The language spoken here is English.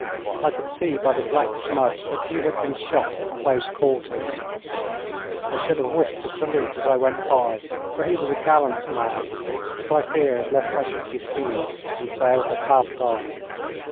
I could see by the black smudge that he had been shot at close quarters. I should have wished to salute as I went by, for he was a gallant man, but I feared lest I should be seen, and so I passed on.